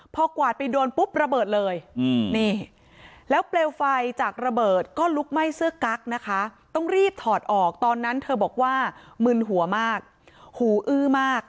พอกวาดไปโดนปุ๊บระเบิดเลยนี่แล้วเปลวไฟจากระเบิดก็ลุกไหม้เสื้อกั๊กนะคะต้องรีบถอดออกตอนนั้นเธอบอกว่ามึนหัวมากหูอื้อมาก